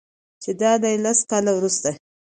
چې دادی لس کاله وروسته